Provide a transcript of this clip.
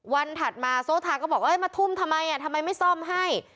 ถัดมาโซทาก็บอกมาทุ่มทำไมทำไมไม่ซ่อมให้